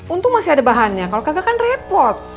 untung masih ada bahannya kalau kagak kan repot